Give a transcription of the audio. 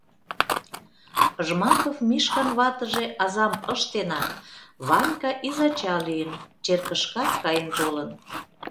Жмаков Мишкан ватыже азам ыштенат, Ванька изача лийын, черкышкат каен толын.